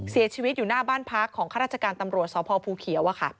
เสียชีวิตอยู่หน้าบ้านพักของข้าราชการตำรวจสพภูเขียว